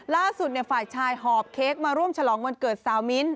ล่าสุดฝ่ายชายหอบเค้กมาร่วมฉลองวันเกิดสาวมิ้นท